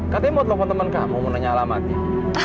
katanya mau telepon teman kamu mau nanya alamatin